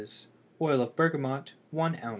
Oil of bergamot ½ oz.